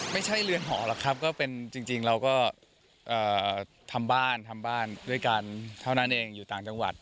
ไม่ใช่เรือนหอหรอกครับก็เป็นจริงเราก็ทำบ้านทำบ้านด้วยกันเท่านั้นเองอยู่ต่างจังหวัด